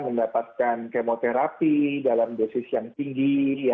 mendapatkan kemoterapi dalam dosis yang tinggi